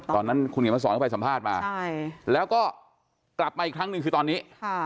ตอนนั้นคุณเขียนมาสอนเข้าไปสัมภาษณ์มาแล้วก็กลับมาอีกครั้งหนึ่งคือตอนนี้